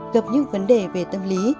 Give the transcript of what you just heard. gặp những vấn đề về tâm lý